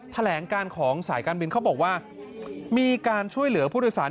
แถลงการของสายการบินเขาบอกว่ามีการช่วยเหลือผู้โดยสาร